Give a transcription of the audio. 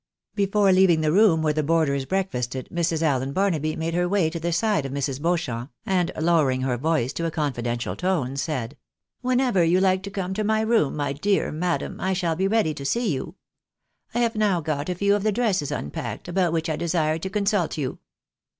Before leaving the room where the boarders breakfasted, Mrs. Allen Barnaby made her way to the side of Mrs. Beauchamp, and lowering her voice to a confidential tone, said —" Whenever you like to come to my room, my dear madam, I shaU be ready to see you. I have now got a few of the dresses un packed, about which I desired to consult you."